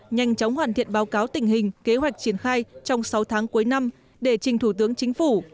nhanh chóng hoàn thiện báo cáo tình hình kế hoạch triển khai trong sáu tháng cuối năm để trình thủ tướng chính phủ